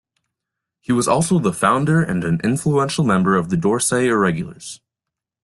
He was also the founder and an influential member of the Dorsai Irregulars.